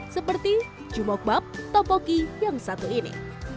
seperti jumok bab topoki yang satu ini